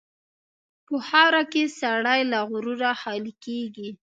په خاوره کې سړی له غروره خالي کېږي.